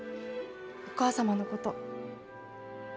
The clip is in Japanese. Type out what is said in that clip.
お母様のこと。